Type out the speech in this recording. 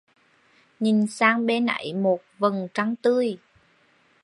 Nhìn sang bên ấy một vầng trăng tươi.